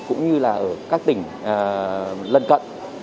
cũng như là ở các tỉnh lân cận